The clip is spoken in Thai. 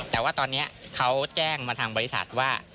แต่ว่าตอนนี้เขาแจ้งมาทางบริษัทว่า